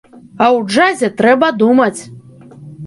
А ў джазе трэба думаць!